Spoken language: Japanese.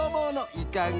いかが？